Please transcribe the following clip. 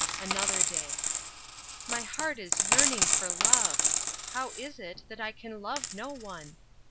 Another Day. My heart is yearning for love! How is it that I can love no one?